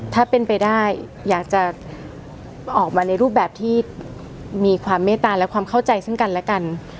ถ้าเป็นไปได้อยากจะออกมาในรูปแบบที่มีความเมตตาและความเข้าใจซึ่งกันและกัน